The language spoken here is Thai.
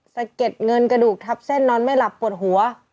สะเก็ดเงินกระดูกทับเส้นนอนไม่หลับปวดหัว